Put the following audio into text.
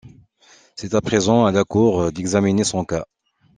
C'est à présent à la cour d'examiner son cas.